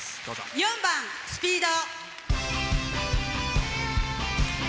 ４番「スピード」。